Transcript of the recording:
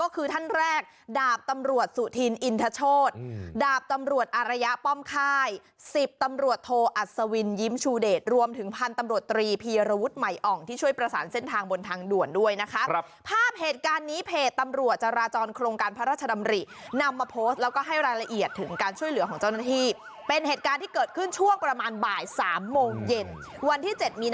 ก็คือท่านแรกดาบตำรวจสุธินอินทชดดาบตำรวจอรยะป้อมไข้สิบตำรวจโทอัตซวินยิ้มชูเดชรวมถึงพันธุ์ตำรวจตรีพีรวุฒิไหมอ่องที่ช่วยประสานเส้นทางบนทางด่วนด้วยนะครับภาพเหตุการณ์นี้เพจตำรวจราจรคลงการพระราชดำรินำมาโพสต์แล้วก็ให้รายละเอียดถึงการช่วยเหลือของเจ้าหน้าท